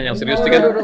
yang serius gini